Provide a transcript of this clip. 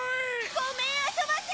ごめんあそばせ！